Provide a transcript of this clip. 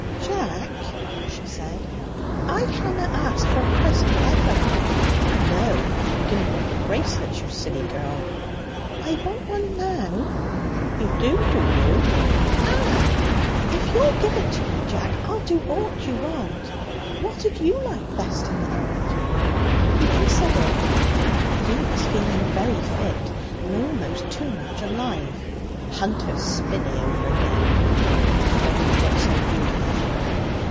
'Jack,' she said, 'I hanna asked for a present ever.' 'No. You didn't want the bracelets, you silly girl.' 'I want one now.' 'You do, do you?' 'Ah! If you'll give it me, Jack, I'll do aught you want. What'd you like best in the 'orld?' He considered. He was feeling very fit and almost too much alive. 'Hunter's Spinney over again up to when we got so gloomy.'